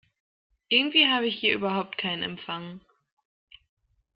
Irgendwie habe ich hier überhaupt keinen Empfang.